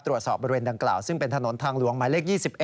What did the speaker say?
ตรวจสอบบริเวณดังกล่าวซึ่งเป็นถนนทางหลวงหมายเลข๒๑